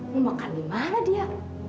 mau makan dimana dia